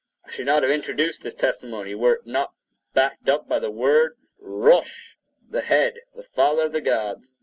I should not have introduced this testimony, were it not to back up the word rosh—the head, the Father of the gods.